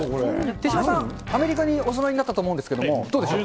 手嶋さん、アメリカにお住まいになったと思うんですけども、どうでしょう？